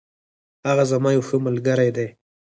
هغه زما یو ښه ملگری دی.